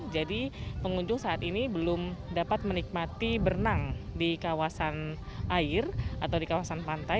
jadi pengunjung saat ini belum dapat menikmati berenang di kawasan air atau di kawasan pantai